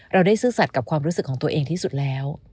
เราได้ซื่อสัตว์กับความรู้สึกของตัวเองที่สุดแล้ว